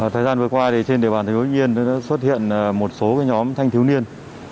thời gian vừa qua trên địa bàn thành phố hưng yên đã xuất hiện một số nhóm thanh thiếu niên